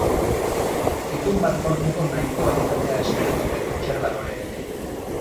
Itun bat lortzeko nahikoa izatea espero dute kontserbadoreek.